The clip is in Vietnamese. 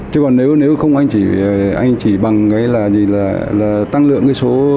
chứ còn nếu không anh chỉ bằng cái là tăng lượng cái số các